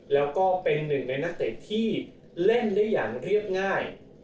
แล้วก็เป็นหนึ่งในนักเตะที่เล่นได้อย่างเรียบง่าย